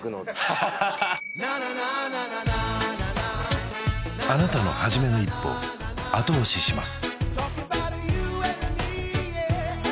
ハハハハあなたの初めの一歩後押しします